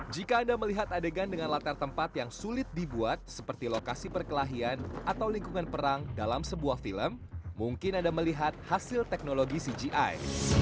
jika anda melihat adegan dengan latar tempat yang sulit dibuat seperti lokasi perkelahian atau lingkungan perang dalam sebuah film mungkin anda melihat hasil teknologi cgi